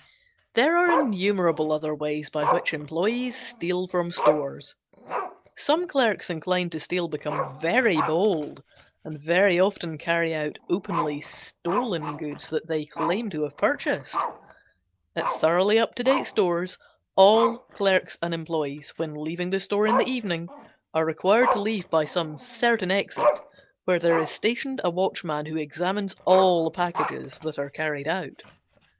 There are innumerable other ways by which employes steal from stores. Some clerks inclined to steal become very bold and very often carry out openly stolen goods that they claim to have purchased. At thoroughly up to date stores all clerks and employes, when leaving the store in the evening, are required to leave by some certain exit, where there is stationed a watchman who examines all packages that are carried out.